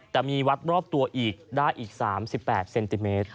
แต่มีวัดรอบตัวอีกได้อีก๓๘เซนติเมตร